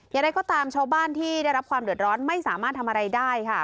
อย่างไรก็ตามชาวบ้านที่ได้รับความเดือดร้อนไม่สามารถทำอะไรได้ค่ะ